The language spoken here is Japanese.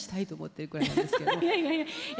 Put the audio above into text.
いやいやいや。